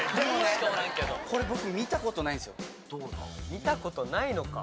見たことないのか。